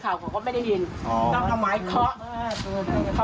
คุณบินก็พยายามให้กำลังใจชวนคุยสร้างเสียงหัวเราะค่ะ